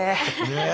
ねえ！